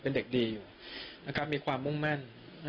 เป็นเด็กดีอยู่มีความมุ่งมั่น